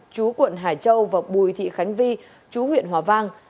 chú quận hải châu và bùi thị khánh vi chú huyện hòa vang